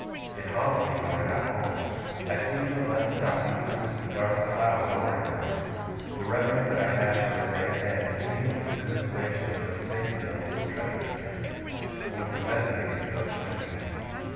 It haunted me when I got home. I seemed to have left the Doctor's roof with a dark cloud lowering on it. The reverence that I had for his grey head, was mingled with commiseration for his faith in those who were treacherous to him, and with resentment against those who injured him.